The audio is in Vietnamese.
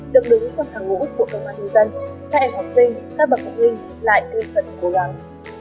được đứng trong thẳng ngũ của công an nhân dân các em học sinh các bậc học viên lại cư phận cố gắng